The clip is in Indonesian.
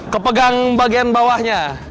kepegang bagian bawahnya